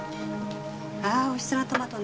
ああ美味しそうなトマトね。